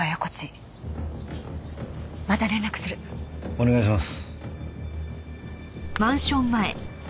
お願いします。